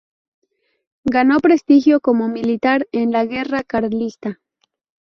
Ganó prestigio como militar en la Guerra Carlista.